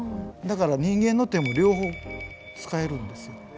だから人間の手も両方使えるんですよ。